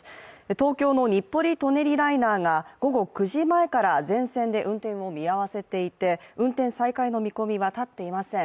東京の日暮里・舎人ライナーが午後９時前から全線で運転を見合わせていて運転再開の見込みは立っていません。